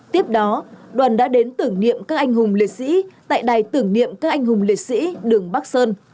tiếp đó đoàn đã đến tưởng niệm các anh hùng liệt sĩ tại đài tưởng niệm các anh hùng liệt sĩ đường bắc sơn